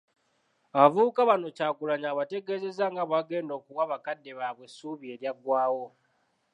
Abavubuka bano Kyagulanyi abategeezezza nga bw'agenda okuwa bakadde baabwe essuubi eryaggwaawo.